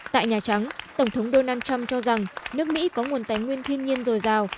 tại nhà trắng tổng thống donald trump cho rằng nước mỹ có nguồn tài nguyên thiên nhiên dồi dào